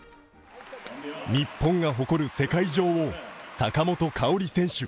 日本が誇る世界女王坂本花織選手。